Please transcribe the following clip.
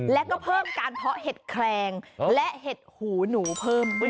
แล้วก็เพิ่มการเพาะเห็ดแคลงและเห็ดหูหนูเพิ่มขึ้น